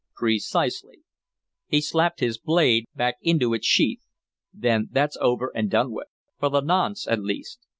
"Precisely." He slapped his blade back into its sheath. "Then that's over and done with, for the nonce at least!